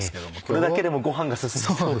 これだけでもご飯が進みそうな。